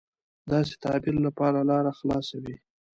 داسې تعبیر لپاره لاره خلاصه وي.